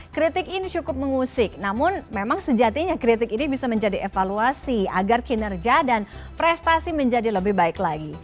kritik ini cukup mengusik namun memang sejatinya kritik ini bisa menjadi evaluasi agar kinerja dan prestasi menjadi lebih baik lagi